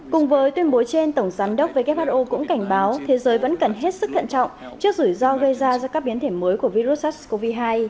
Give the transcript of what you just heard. cùng với tuyên bố trên tổng giám đốc who cũng cảnh báo thế giới vẫn cần hết sức thận trọng trước rủi ro gây ra do các biến thể mới của virus sars cov hai